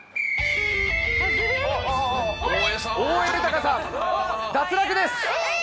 ・大江裕さん脱落です。